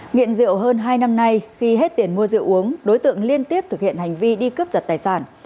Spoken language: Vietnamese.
nghiện rượu hơn hai năm nay khi hết tiền mua rượu uống đối tượng liên tiếp thực hiện hành vi đi cướp giật tài sản